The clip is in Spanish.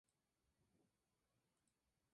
Su clima es húmedo, con cuatro estaciones distintas.